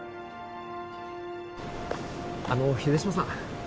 あの秀島さん